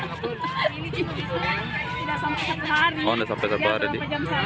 tidak sampai satu hari